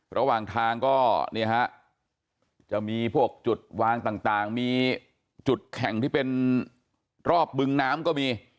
ระหว่างทางก็เนี่ยฮะจะมีพวกจุดวางต่างมีจุดแข่งที่เป็นรอบบึงน้ำก็มี